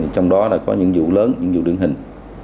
trong đó là có những vụ lớn những vụ điển hình